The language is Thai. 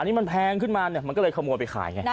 อันนี้มันแพงขึ้นมามันก็เลยขโมยไปขายไง